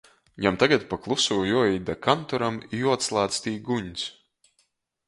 Jam tagad pa klusū juoīt da kantoram i juoatslādz tī guņs.